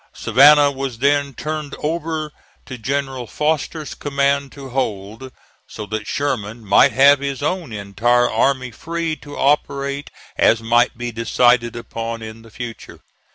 Savannah was then turned over to General Foster's command to hold, so that Sherman might have his own entire army free to operate as might be decided upon in the future.